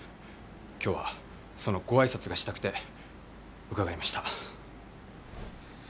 今日はそのご挨拶がしたくて伺いました。